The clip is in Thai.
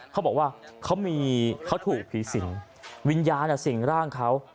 เขาบอกว่าเขาถูกผีสิงวิญญาณสิ่งร่างเขา